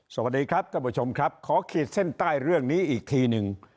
สวัสดีครับท่านผู้ชมครับขอขีดเส้นใต้เรื่องนี้อีกทีหนึ่ง